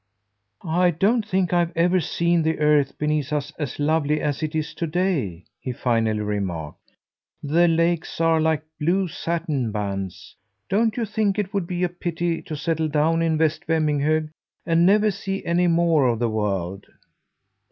"I don't think I've ever seen the earth beneath us as lovely as it is to day!" he finally remarked. "The lakes are like blue satin bands. Don't you think it would be a pity to settle down in West Vemminghög and never see any more of the world?"